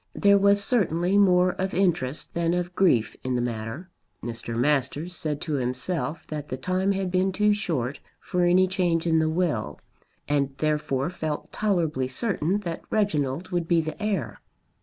There was certainly more of interest than of grief in the matter. Mr. Masters said to himself that the time had been too short for any change in the will, and therefore felt tolerably certain that Reginald would be the heir.